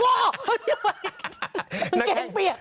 แบบนี้หวนเก่งเปียก